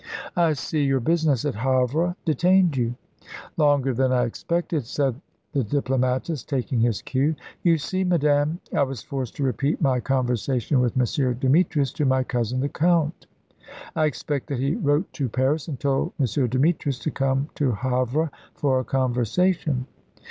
"I see; your business at Havre detained you." "Longer than I expected," said the diplomatist, taking his cue. "You see, madame, I was forced to repeat my conversation with M. Demetrius to my cousin the Count. I expect that he wrote to Paris, and told M. Demetrius to come to Havre for a conversation."